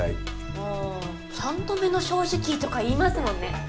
ああ「三度目の正直」とか言いますもんね。